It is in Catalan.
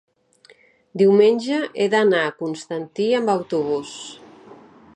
diumenge he d'anar a Constantí amb autobús.